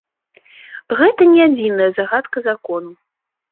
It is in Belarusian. Гэта не адзіная загадка закону.